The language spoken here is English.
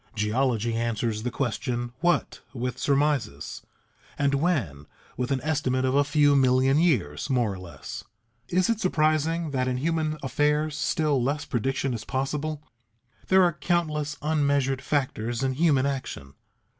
Geology answers the question "What?" with surmises, and "When?" with an estimate of a few million years more or less. Is it surprising that in human affairs still less prediction is possible? There are countless unmeasured factors in human action.